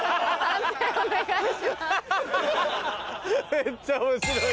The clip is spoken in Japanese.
めっちゃ面白い。